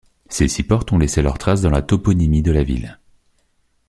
Ces six portes ont laissé leurs traces dans la toponymie de la ville.